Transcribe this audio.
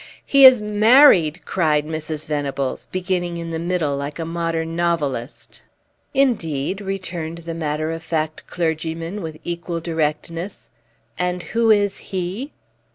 "He is married!" cried Mrs. Venables, beginning in the middle like a modern novelist. "Indeed?" returned the matter of fact clergyman, with equal directness "and who is he?"